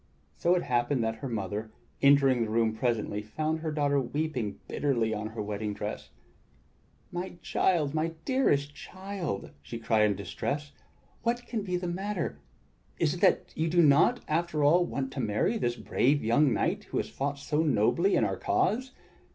So it happened that her mother, entering the room presently, found her daughter weeping bitterly on her wedding day. "My child, my dearest child!" she cried in distress. "What 62 THE STORY OF KING ARTHUR can be the matter? Is it that you do not, after all, want to marry this brave young knight who has fought so nobly in our cause?"